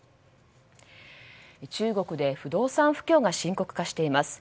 中国で不動産不況が深刻化しています。